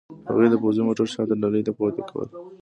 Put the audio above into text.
هغوی یې د پوځي موټر شاته ډالې ته پورته کول